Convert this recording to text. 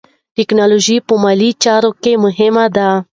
ټیکنالوژي په مالي چارو کې مهمه ده.